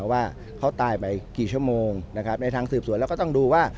ว่าเขาตายไปกี่ชั่วโมงนะครับในทางสืบสวนเราก็ต้องดูว่า